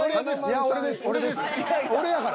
俺やから。